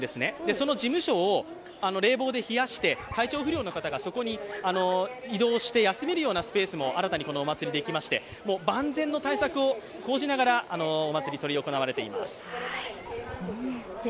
その事務所を冷房で冷やして体調不良の方がそこに移動して休めるようなスペースも新たにこのお祭り、できまして万全の対策を講じながらお祭り、執り行われています。